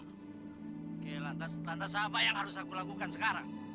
oke lantas apa yang harus aku lakukan sekarang